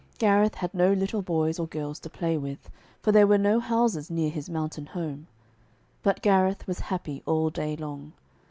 Gareth had no little boys or girls to play with, for there were no houses near his mountain home. But Gareth was happy all day long.